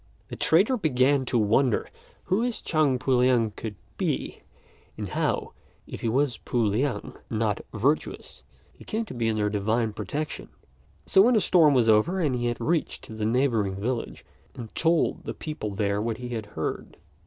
The trader began to wonder who this Chang Pu liang could be, and how, if he was pu liang (not virtuous), he came to be under divine protection; so when the storm was over and he had reached the neighbouring village, he made enquiries on the subject, and told the people there what he had heard.